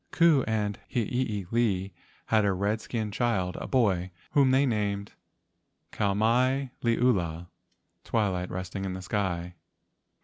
Ku and Hiilei had a red¬ skin child, a boy, whom they named Kau mai liula (twilight resting in the sky).